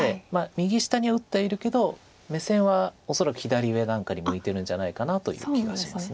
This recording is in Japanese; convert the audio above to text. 右下に打ってはいるけど目線は恐らく左上なんかに向いてるんじゃないかなという気がします。